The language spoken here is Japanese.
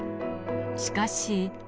しかし。